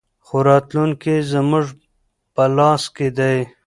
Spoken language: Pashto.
خو راتلونکی زموږ په لاس کې دی.